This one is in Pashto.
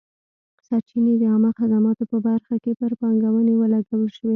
سرچینې د عامه خدماتو په برخه کې پر پانګونې ولګول شوې.